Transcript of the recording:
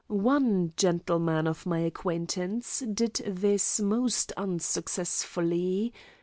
One gentleman of my acquaintance did this most unsuccessfully.